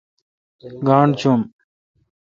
گاݨڈ چوم۔